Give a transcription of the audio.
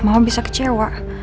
mama bisa kecewa